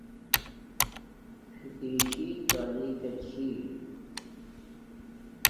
فتشی کالی کا چھی